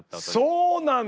そうなんだ！